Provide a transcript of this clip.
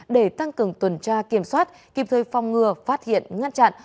để tăng cường tuần tra kiểm soát kịp thời phòng ngừa phát hiện ngăn chặn